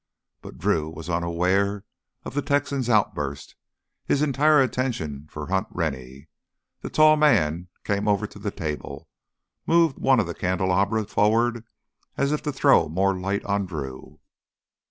But Drew was unaware of the Texan's outburst, his entire attention for Hunt Rennie. The tall man came over to the table, moved one of the candelabra forward as if to throw more light on Drew.